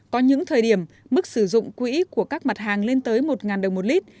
có những thời điểm mức sử dụng quỹ của các mặt hàng lên tới một đồng một lít